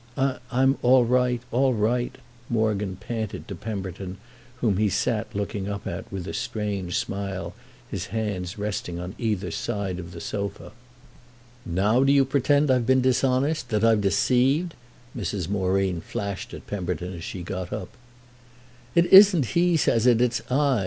"I'm all right—all right," Morgan panted to Pemberton, whom he sat looking up at with a strange smile, his hands resting on either side of the sofa. "Now do you pretend I've been dishonest, that I've deceived?" Mrs. Moreen flashed at Pemberton as she got up. "It isn't he says it, it's I!"